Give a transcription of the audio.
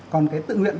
còn cái tự nguyện